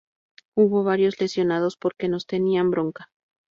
Hubo varios lesionados porque nos tenían bronca".